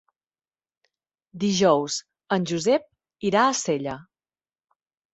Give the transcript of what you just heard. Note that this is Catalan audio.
Dijous en Josep irà a Sella.